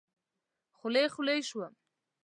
خولې خولې شوم.